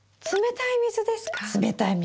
冷たい水です。